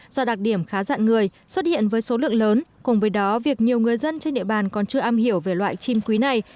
do đặc điểm khá dặn người xuất hiện với số lượng lớn cùng với đó việc nhiều người dân trên địa bàn còn chưa am hiểu về loại chim quý này